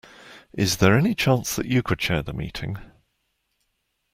Is there any chance that you could chair the meeting?